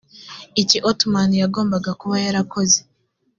iki othman yagombaga kuba yarakoze